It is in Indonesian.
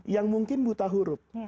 yang mungkin buta huruf